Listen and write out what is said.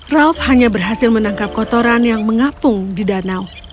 ralf hanya berhasil menangkap kotoran yang mengapung di danau